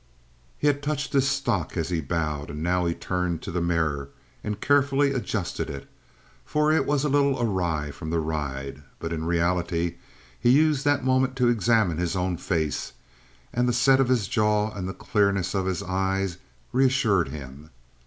He had touched his stock as he bowed, and now he turned to the mirror and carefully adjusted it, for it was a little awry from the ride; but in reality he used that moment to examine his own face, and the set of his jaw and the clearness of his eye reassured him.